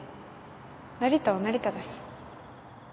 成田は成田だし